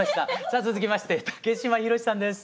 さあ続きまして竹島宏さんです。